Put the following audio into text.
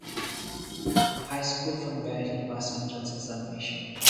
High School from where he passed Entrance examination.